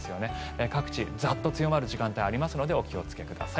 各地、ザッと強まる時間帯ありますのでお気をつけください。